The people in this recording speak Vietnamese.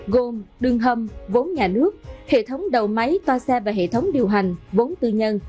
gồm đường hầm vốn nhà nước hệ thống đầu máy toa xe và hệ thống điều hành vốn tư nhân